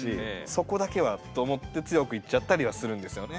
そこだけはと思って強く言っちゃったりはするんですよね。